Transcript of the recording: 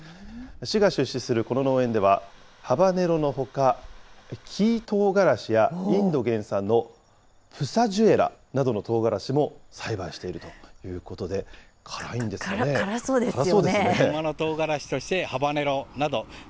市が出資するこの農園では、ハバネロのほか、黄トウガラシや、インド原産のプサジュエラなどのとうがらしも栽培しているという辛そうですよね。